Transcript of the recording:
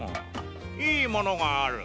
いいものがある。